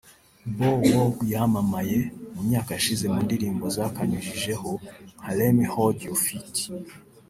Bow Wow yamamaye mu myaka yashize mu ndirimbo zakanyujijeho nka Let Me Hold You ft